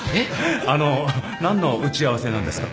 あの何の打ち合わせなんですか？